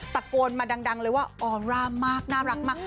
ตะโกนมาดังเลยว่าออร่ามากน่ารักมาก